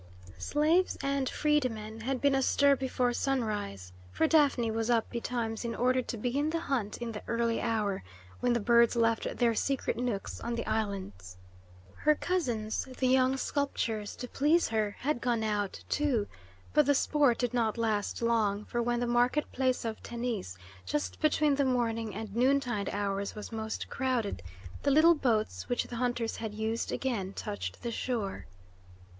Slaves and freedmen had been astir before sunrise, for Daphne was up betimes in order to begin the hunt in the early hour when the birds left their secret nooks on the islands. Her cousins, the young sculptors, to please her, had gone out, too, but the sport did not last long; for when the market place of Tennis, just between the morning and noontide hours, was most crowded, the little boats which the hunters had used again touched the shore.